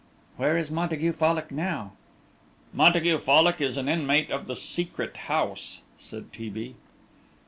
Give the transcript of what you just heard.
"Where is Montague Fallock now?" "Montague Fallock is an inmate of the Secret House," said T. B.